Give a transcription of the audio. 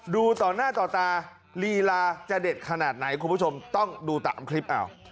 ดูต่อหน้าต่อตาลีลาจะเด็ดขนาดไหนคุณผู้ชมต้องดูตามคลิปเอา